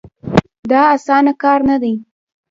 دا اسانه کار نه دی.